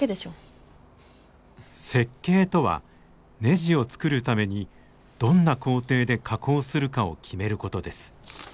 設計とはねじを作るためにどんな工程で加工するかを決めることです。